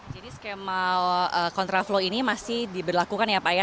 jadi skema kontraflow ini masih diberlakukan ya pak ya